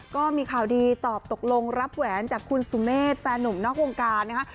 ก็มีข่าวดีตอบตกลงรับแหวนจากคุณสุเมฆแฟนหนุ่มนอกวงการนะคะ